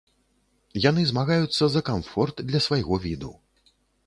Яны змагаюцца за камфорт для свайго віду.